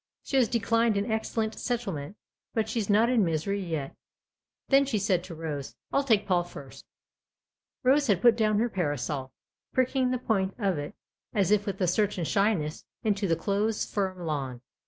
She has declined an excellent settlement, but she's not in misery yet." Then she said to Rose :" I'll take Paul first." Rose had put down her parasol, pricking the point of it, as if with a certain shyness, into the close, firm lawn.